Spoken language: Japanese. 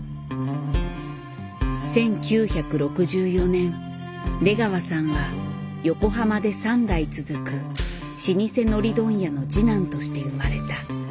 １９６４年出川さんは横浜で３代続く老舗海苔問屋の次男として生まれた。